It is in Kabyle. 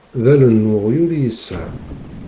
D allen n weɣyul i yesɛa.